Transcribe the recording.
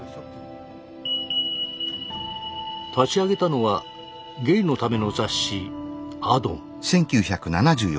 立ち上げたのはゲイのための雑誌「アドン」。